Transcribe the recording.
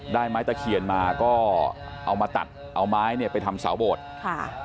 ได้ไม้ตะเขียนมาก็เอามาตัดเอาไม้ไปทำเสาโบสถ์